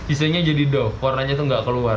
isinya jadi doff warnanya tuh nggak keluar